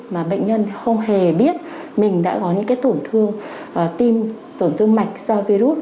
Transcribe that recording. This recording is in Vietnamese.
mà bệnh nhân không hề biết mình đã có những cái tổn thương tim tổn thương mạch do virus